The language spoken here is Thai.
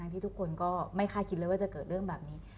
ที่ทุกคนก็ไม่คาดคิดเลยว่าจะเกิดเรื่องแบบนี้